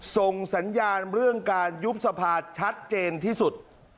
ส่งสัญญาณเรื่องการยุบสภาชัดเจนที่สุด